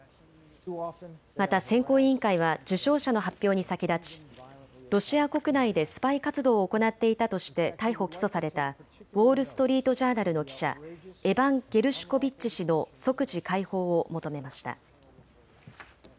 また選考委員会は受賞者の発表に先立ちロシア国内でスパイ活動を行っていたとして逮捕、起訴されたウォール・ストリート・ジャーナルの記者、エバン・ゲルシュコビッチ氏の即時解放を求めました。